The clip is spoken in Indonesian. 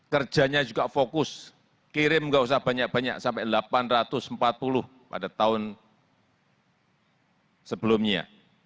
kerjanya juga fokus kirim nggak usah banyak banyak sampai delapan ratus empat puluh pada tahun sebelumnya